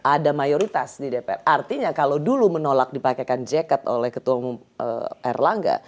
ada mayoritas di dpr artinya kalau dulu menolak dipakaikan jaket oleh ketua umum erlangga